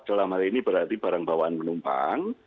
dalam hari ini berarti barang bawaan penumpang